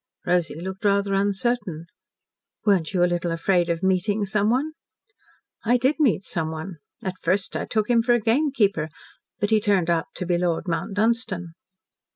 Rosy looked rather uncertain. "Weren't you a little afraid of meeting someone?" "I did meet someone. At first I took him for a gamekeeper. But he turned out to be Lord Mount Dunstan."